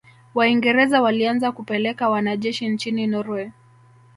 Waingerza walianza kupeleka wanajeshi nchini Norway